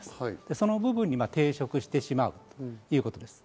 その部分に抵触してしまうということです。